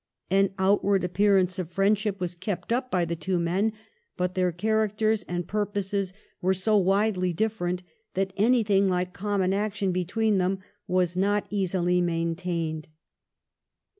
An outward appearance of friendship was kept up by the two men, but their characters and purposes were so widely different that anything like common action between them was not easily main tained.